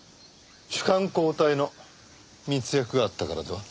主幹交代の密約があったからでは？